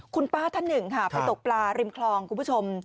คุณป้าท่านหนึ่งค่ะไปตกปลาริมคลองคุณผู้ชม